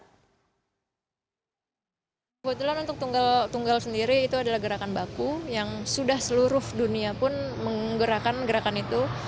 kebetulan untuk tunggal sendiri itu adalah gerakan baku yang sudah seluruh dunia pun menggerakkan gerakan itu